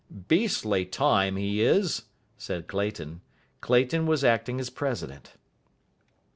"Beastly time he is," said Clayton. Clayton was acting as president.